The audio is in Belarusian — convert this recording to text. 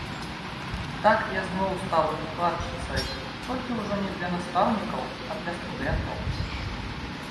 Так я зноў стала выкладчыцай, толькі ўжо не для настаўнікаў, а для студэнтаў.